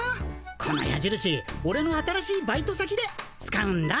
このやじるしオレの新しいバイト先で使うんだ。